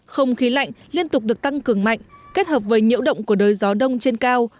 không khí lạnh liên tục được tăng cường mạnh kết hợp với nhiễu động của đới gió đông trên cao